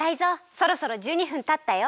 そろそろ１２分たったよ！